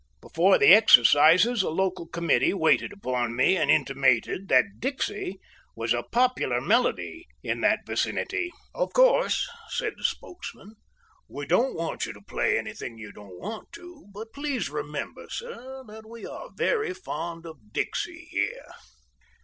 Before the exercises a local committee waited upon me and intimated that "Dixie" was a popular melody in that vicinity. "Of course," said the spokesman, "we don't want you to play anything you don't want to, but please remember, sir, that we are very fond of 'Dixie' here."